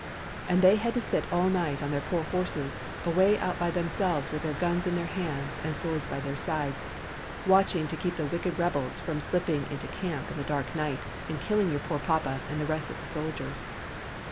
And they had to sit all night on their poor horses away out by themselves with their guns in their hands and swords by their sides, watching to keep the wicked rebels from slipping into camp in the dark night and killing your poor papa and the rest of the soldiers.